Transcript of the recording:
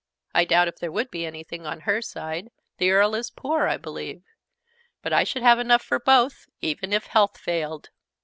I doubt if there would be anything on her side: the Earl is poor, I believe. But I should have enough for both, even if health failed."